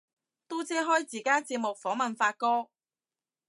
嘟姐開自家節目訪問發哥